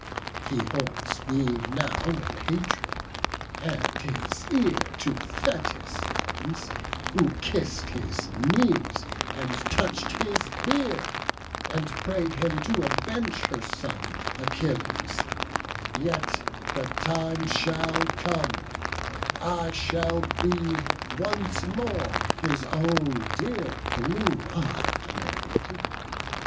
He holds me now in hatred, and his ear To Thetis lends, who kiss'd his knees, and touch'd His beard, and pray'd him to avenge her son Achilles; yet the time shall come when I Shall be once more his own dear blue ey'd Maid.